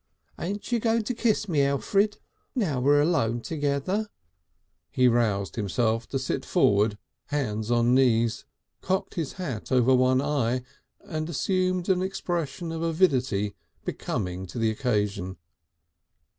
"Ain't you going to kiss me, Elfrid, now we're alone together?" He roused himself to sit forward hands on knees, cocked his hat over one eye, and assumed an expression of avidity becoming to the occasion.